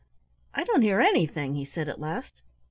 "I don't hear anything," he said at last.